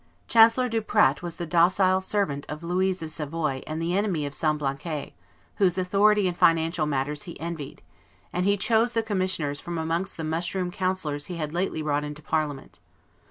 Chancellor Duprat was the docile servant of Louise of Savoy and the enemy of Semblancay, whose authority in financial matters he envied; and he chose the commissioners from amongst the mushroom councillors he had lately brought into Parliament.